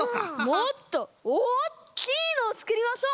もっとおおきいのをつくりましょう！